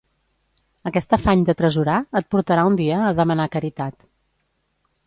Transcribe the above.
Aquest afany d'atresorar et portarà un dia a demanar caritat